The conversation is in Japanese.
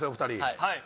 はい。